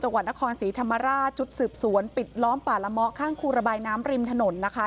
วัดนครศรีธรรมราชชุดสืบสวนปิดล้อมป่าละเมาะข้างครูระบายน้ำริมถนนนะคะ